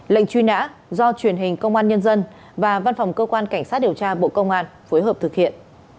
lệnh truy nã do truyền hình công an nhân dân và văn phòng cơ quan cảnh sát điều tra bộ công an phối hợp thực hiện